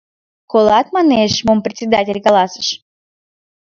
— Колат, — манеш, — мом председатель каласыш?